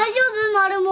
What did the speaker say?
マルモ。